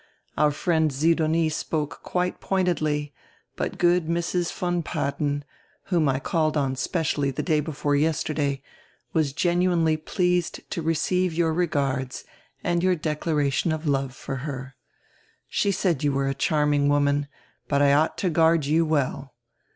Our friend Sidonie spoke quite point edly, but good Mrs. von Padden, whom I called on specially the day before yesterday, was genuinely pleased to receive your regards and your declaration of love for her. She said you were a charming woman, but I ought to guard you well.